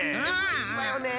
いいわよね。